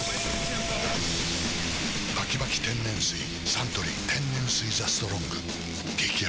サントリー天然水「ＴＨＥＳＴＲＯＮＧ」激泡